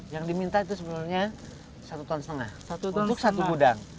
yang diminta itu sebenarnya satu ton setengah untuk satu gudang